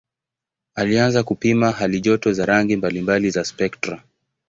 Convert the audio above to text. Alianza kupima halijoto za rangi mbalimbali za spektra.